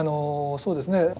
そうですね。